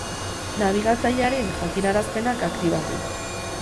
Nabigatzailearen jakinarazpenak aktibatu.